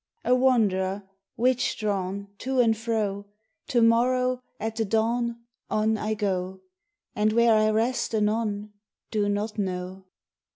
A wanderer, witch drawn To and fro, To morrow, at the dawn, On I go, And where I rest anon Do not know!